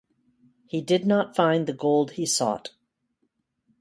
He did not find the gold he sought.